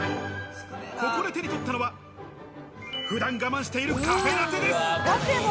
ここで手に取ったのは、普段我慢しているカフェラテです。